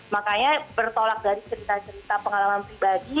makanya bertolak dari cerita cerita pengalaman pribadi